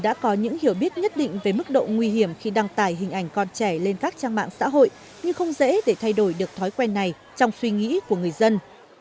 đã có những hiểu biết nhất định về mức độ nguy hiểm khi đăng tải hình ảnh con trẻ lên các trang mạng xã hội nhưng không dễ để thay đổi được thói quen này trong suy nghĩ của người dân